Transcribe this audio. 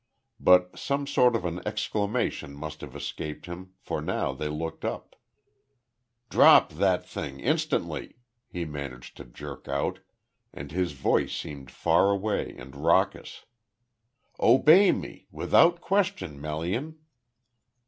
But some sort of an exclamation must have escaped him, for now they looked up. "Drop that thing instantly," he managed to jerk out, and his voice seemed far away and raucous. "Obey me without question, Melian."